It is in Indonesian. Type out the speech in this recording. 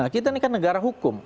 kita ini kan negara hukum